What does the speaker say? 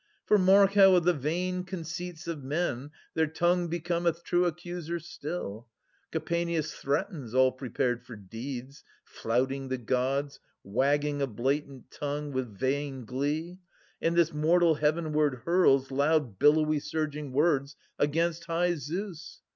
For, mark how of the vain conceits of men Their tongue becometh true accuser still :— Kapaneus threatens, all prepared for deeds, 440 Flouting the Gods, wagging a blatant tongue With vain glee ;— and this mortal heavenward hurls Loud billowy surging words against high Zeus